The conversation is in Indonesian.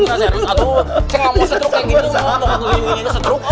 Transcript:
mau ngeliat ini setruk aku